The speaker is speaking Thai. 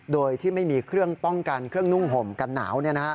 โดยที่ไม่มีเครื่องป้องกันเครื่องนุ่งห่มกันหนาว